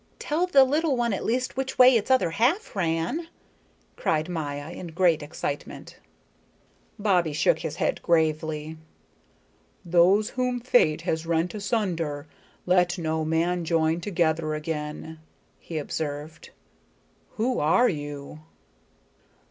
"Tell the little one at least which way its other half ran," cried Maya in great excitement. Bobbie shook his head gravely. "Those whom fate has rent asunder, let no man join together again," he observed. "Who are you?"